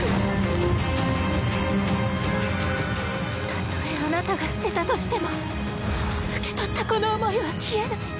たとえあなたが捨てたとしても受け取ったこの思いは消えない。